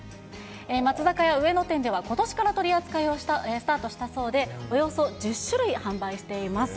松坂屋上野店では、ことしから取り扱いをスタートしたそうで、およそ１０種類販売しています。